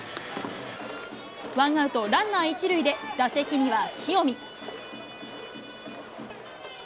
ワンアウトランナー１塁で、打席には塩見。